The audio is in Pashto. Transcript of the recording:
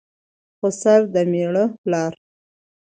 خسر دمېړه پلار